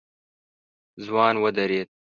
ځوان ودرېد.